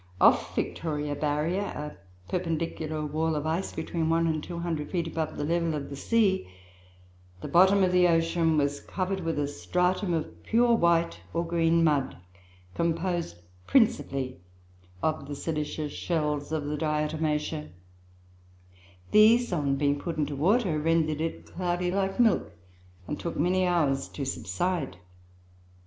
Off Victoria Barrier (a perpendicular wall of ice between one and two hundred feet above the level of the sea) the bottom of the ocean was covered with a stratum of pure white or green mud, composed principally of the silicious shells of the Diatomaceoe. These, on being put into water, rendered it cloudy like milk, and took many hours to subside.